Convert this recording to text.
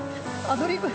アドリブ。